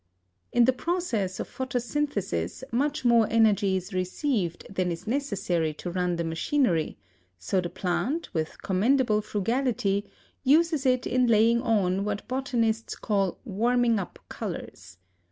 In the process of photosynthesis much more energy is received than is necessary to run the machinery, so the plant, with commendable frugality, uses it in laying on what botanists call warming up colors.